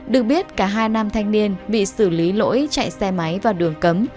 được biết cả hai nam thanh niên bị xử lý lỗi chạy xe máy vào đường cấm